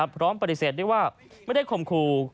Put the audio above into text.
พร้อมปฏิเสธได้ว่าไม่ได้คมครู